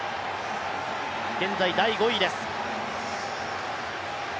現在第５位です。